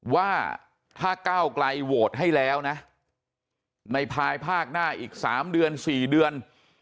ว่าถ้าก้าวไกลโหวตให้แล้วนะในภายภาคหน้าอีก๓เดือน๔เดือน